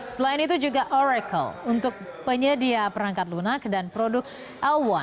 selain itu juga oracle untuk penyedia perangkat lunak dan produk l satu